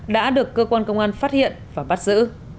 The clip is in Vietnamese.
đã được cơ quan công an phát hiện và bắt giữ